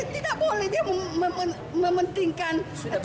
tidak boleh dia mementingkan